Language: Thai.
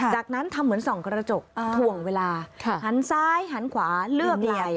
จากนั้นทำเหมือนส่องกระจกถ่วงเวลาหันซ้ายหันขวาเลือกเลย